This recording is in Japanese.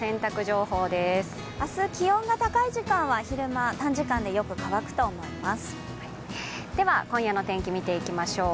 明日、気温が高い時間は昼間、短時間でよく乾くと思います。